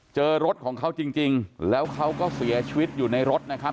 เจอรถของเขาจริงแล้วเขาก็เสียชีวิตอยู่ในรถนะครับ